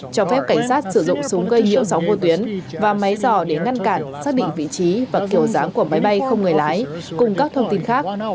cho phép cảnh sát sử dụng súng gây nhiễu sóng vô tuyến và máy dò để ngăn cản xác định vị trí và kiểu dáng của máy bay không người lái cùng các thông tin khác